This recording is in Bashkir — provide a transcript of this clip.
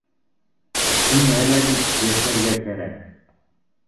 Һиңә лә бит йәшәргә кәрәк!